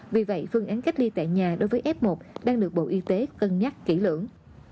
vì vậy phương án cách ly tại nhà đối với f một đang được bộ y tế cân nhắc kỹ lưỡng